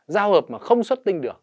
giao hợp mà không xuất tinh được